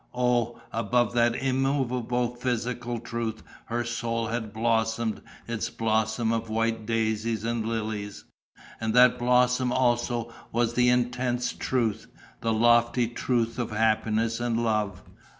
Oh, above that immovable physical truth her soul had blossomed its blossom of white daisies and lilies; and that blossom also was the intense truth, the lofty truth of happiness and love!